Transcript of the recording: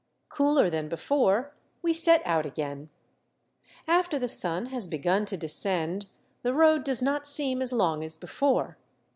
Cooler than before, we set out again. After the sun has begun to descend, the road does not seem as long as be fore.